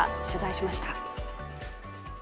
取材しました。